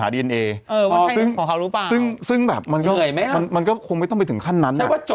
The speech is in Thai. ๙เดือนอ่ะเนาะ